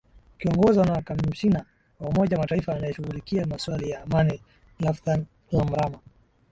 wakiongozwa na kamshina wa umoja mataifa anayeshughulikia maswala ya amani lapthan lamrama